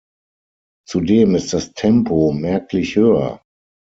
Zudem ist das Tempo merklich höher.